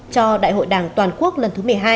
cho đại hội đảng toàn quốc lần thứ một mươi hai